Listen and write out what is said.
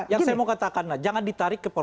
yang saya mau katakan jangan ditarik ke